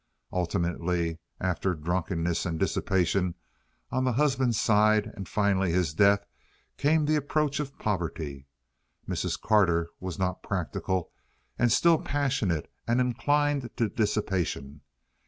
Ultimately, after drunkenness and dissipation on the husband's side, and finally his death, came the approach of poverty. Mrs. Carter was not practical, and still passionate and inclined to dissipation.